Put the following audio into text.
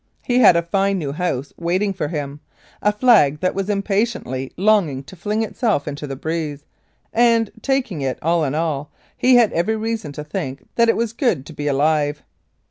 He had a fine new house waiting for him, a flag that was impatiently longing to fling itself to the breeze, and, taking it all in all, he had every reason to think that it was good to be alive.